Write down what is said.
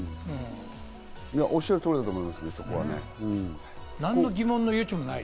おっしゃる通りだと思いますね。